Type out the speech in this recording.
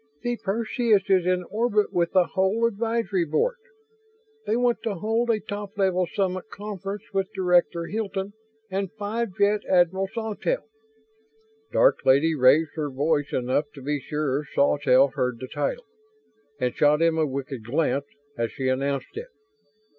"The Perseus is in orbit with the whole Advisory Board. They want to hold a top level summit conference with Director Hilton and Five Jet Admiral Sawtelle." Dark Lady raised her voice enough to be sure Sawtelle heard the title, and shot him a wicked glance as she announced it.